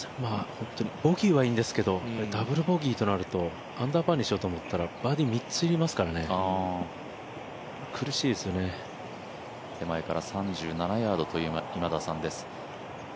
ボギーはいいんですけどダブルボギーになるとアンダーパーにしようと思ったらバーディー３つ要りますから手前から３７ヤードという今田さんです。